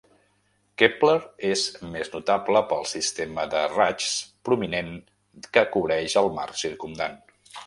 Kepler és més notable pel sistema de raigs prominent que cobreix el mar circumdant.